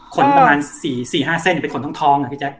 ขนพรานสี่สี่ห้าเส้นขนทองทอง